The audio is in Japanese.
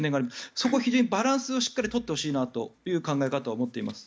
そこは非常にバランスをしっかり取ってほしいなという考え方を持っています。